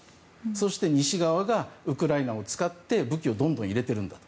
そして西側がウクライナを使って武器をどんどん入れてるんだと。